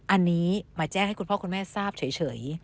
อันนี้มาแจ้งให้คุณพ่อคุณแม่ทราบเฉย